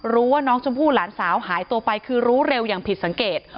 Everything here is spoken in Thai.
รู้ว่าน้องชมพู่หลานสาวหายตัวไปคือรู้เร็วอย่างผิดสังเกต